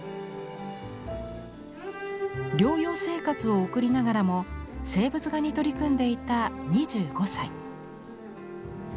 療養生活を送りながらも静物画に取り組んでいた２５歳。